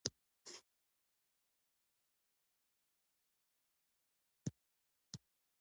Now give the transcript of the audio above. ما فکر کاوه چې په خپله کوټه کې ویده یم